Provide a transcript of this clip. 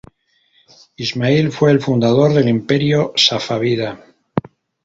Ismail fue el fundador del imperio safávida.